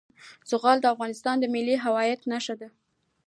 زغال د افغانستان د ملي هویت نښه ده.